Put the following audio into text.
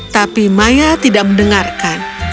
tapi maya tidak mendengarkan